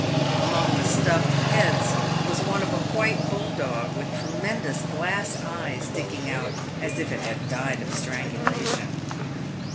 Among the stuffed heads was one of a white bulldog, with tre mendous glass eyes sticking out as if it had died of strangulation.